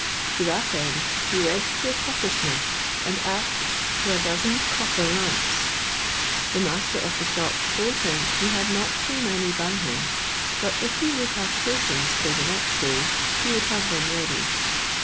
To that end, he went to a coppersmith, and asked for a dozen copper lamps: the master of the shop told him he had not so many by him, but if he would have patience till the next day, he would have them ready.